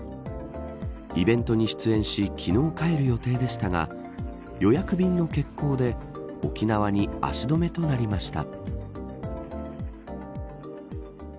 イベントに出演し昨日帰る予定でしたが予約便の欠航で沖縄に足止めとなりました。